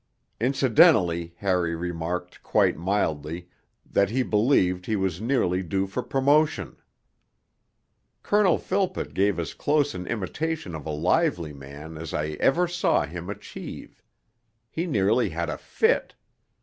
Incidentally, Harry remarked, quite mildly, that he believed he was nearly due for promotion. Colonel Philpott gave as close an imitation of a lively man as I ever saw him achieve; he nearly had a fit.